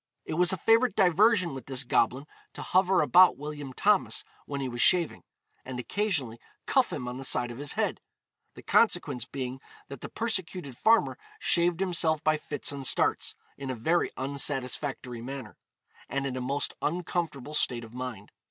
It was a favourite diversion with this goblin to hover about William Thomas when he was shaving, and occasionally cuff him on the side of his head the consequence being that the persecuted farmer shaved himself by fits and starts, in a very unsatisfactory manner, and in a most uncomfortable state of mind.